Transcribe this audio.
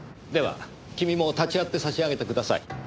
では君も立ち会ってさしあげてください。